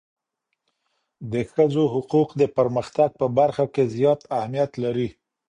د ښځو حقوق د پرمختګ په برخه کي زیات اهمیت لري.